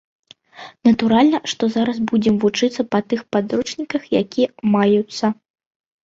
Натуральна, што зараз будзем вучыцца па тых падручніках, якія маюцца.